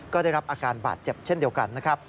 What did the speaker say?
ก็ได้รับอาการบาดเจ็บเช่นเดียวกันนะครับ